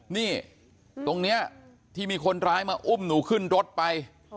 นี่ตรงนี้ที่มีคนร้ายมาอุ้มหนูขึ้นรถไป